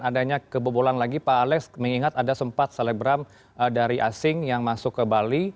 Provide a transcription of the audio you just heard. adanya kebobolan lagi pak alex mengingat ada sempat selebgram dari asing yang masuk ke bali